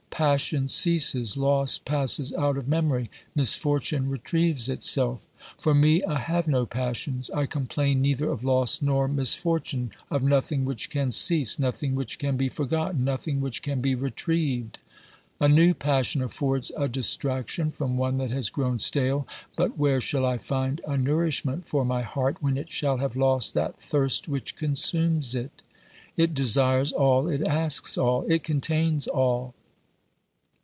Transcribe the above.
— Passion ceases, loss passes out of memory, misfortune retrieves itself; for me, I have no passions, I complain neither of loss nor misfortune, of nothing which can cease, nothing which can be forgotten, nothing which can OBERMANN 139 be retrieved. A new passion affords a distraction from one that has grown stale, but where shall I find a nourish ment for my heart when it shall have lost that thirst which consumes it ? It desires all, it asks all, it contains all.